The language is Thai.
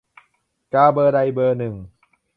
กาเบอร์ใด "เบอร์หนึ่ง"